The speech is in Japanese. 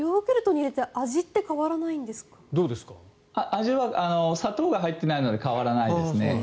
味は砂糖が入ってないので変わらないですね。